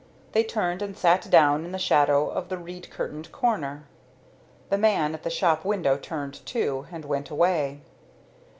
They turned and sat down in the shadow of the reed curtained corner. The man at the shop window turned, too, and went away.